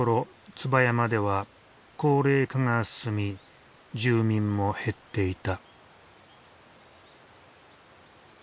椿山では高齢化が進み住民も減っていた。